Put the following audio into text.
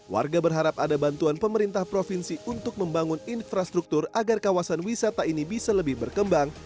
warga berharap ada bantuan pemerintah provinsi untuk membangun infrastruktur agar kawasan wisata ini bisa lebih berkembang